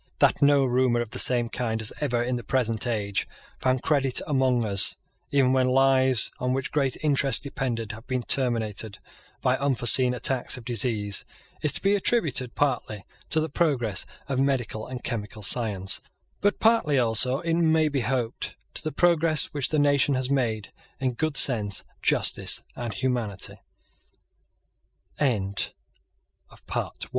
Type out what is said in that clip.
That no rumour of the same kind has ever, in the present age, found credit among us, even when lives on which great interest depended have been terminated by unforeseen attacks of disease, is to be attributed partly to the progress of medical and chemical science, but partly also, it may be hoped, to the progress which the nation has made in good sense, justice, and hum